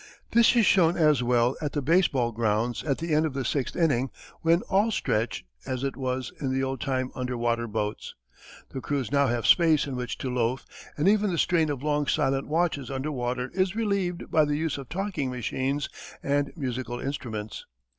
This is shown as well at the base ball grounds at the end of the sixth inning when "all stretch" as it was in the old time underwater boats. The crews now have space in which to loaf and even the strain of long silent watches under water is relieved by the use of talking machines and musical instruments.